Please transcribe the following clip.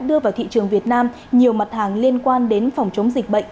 đưa vào thị trường việt nam nhiều mặt hàng liên quan đến phòng chống dịch bệnh